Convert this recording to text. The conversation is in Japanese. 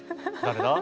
誰だ？